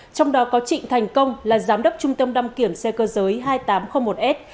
trong đó có trịnh thành công là giám đốc trung tâm đăng kiểm xe cơ giới hai nghìn tám trăm linh một s